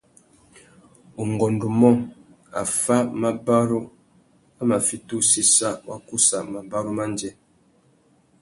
Ungôndumô, affámabarú a mà fiti usséssa wa kussa mabarú mandjê.